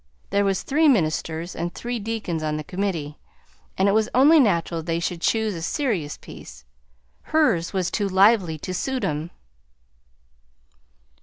There was three ministers and three deacons on the committee, and it was only natural they should choose a serious piece; hers was too lively to suit 'em."